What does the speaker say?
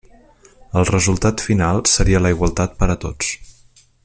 El resultat final seria la igualtat per a tots.